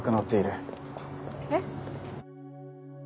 えっ？